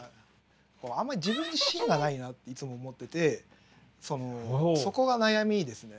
あんまり自分に芯がないなっていつも思っててそのそこが悩みですね。